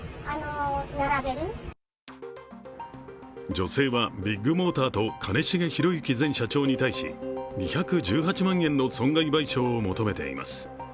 女性はビッグモーターと兼重宏行前社長に対し、２１８万円の損害賠償を求めています。